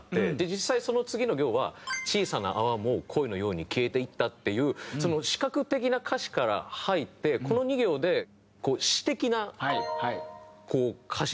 実際その次の行は「小さなアワも恋のように消えていった」っていう視覚的な歌詞から入ってこの２行で詩的な歌詞になるんですよね。